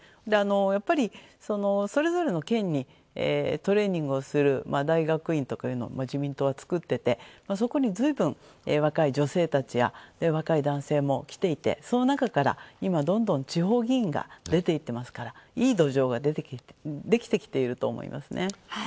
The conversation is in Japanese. やっぱり、それぞれの県にトレーニングをする大学院というのを自民党は作っていてそこにずいぶん若い女性たちや若い男性も来ていてその中から今、どんどん地方議員が出て行ってますからいい土壌ができてきていると思いますね。